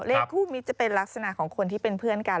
เลขคู่มิตรจะเป็นลักษณะของคนที่เป็นเพื่อนกัน